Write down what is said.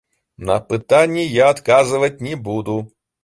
На пытанні я адказваць не буду!